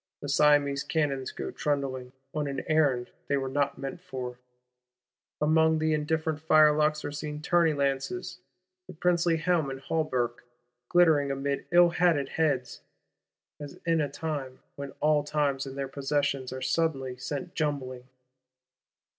The Siamese cannons go trundling, on an errand they were not meant for. Among the indifferent firelocks are seen tourney lances; the princely helm and hauberk glittering amid ill hatted heads,—as in a time when all times and their possessions are suddenly sent jumbling!